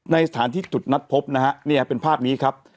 ในสถานที่จุดนัดพบนะฮะเนี่ยเป็นภาพนี้ครับ